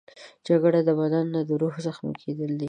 جګړه د بدن نه، د روح زخمي کېدل دي